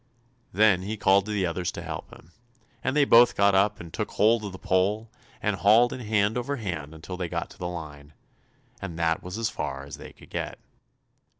Then he called to the others to help him, and they both got up and took hold of the pole and hauled in hand over hand till they got to the line, and that was as far as they could get.